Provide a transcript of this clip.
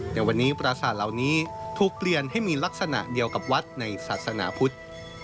แต่วันนี้ปราศาสตร์เหล่านี้ถูกเปลี่ยนให้มีลักษณะเดียวกับวัดในศาสนาพุทธ